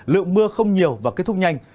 lượng mưa không nhiều và kết thúc nhanh